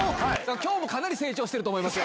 きょうもかなり成長してると思いますよ。